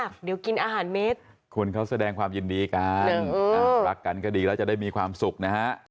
คุณเขาแสดงความยินดีกันรักกันก็ดีแล้วจะได้มีความสุขนะฮะ